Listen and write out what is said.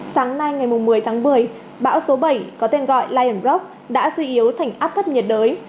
sáng nay ngày một mươi tháng một mươi bão số bảy có tên gọi lion rock đã duy yếu thành áp thất nhiệt đới